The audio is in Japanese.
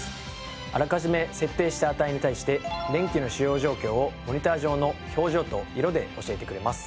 あらかじめ設定した値に対して電気の使用状況をモニター上の表情と色で教えてくれます。